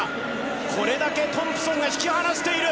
これだけトンプソンが引き離している。